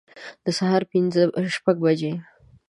د سهار شپږ بجي